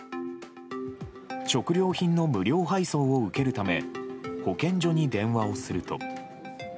食料品の無料配送を受けるため保健所に電話をすると。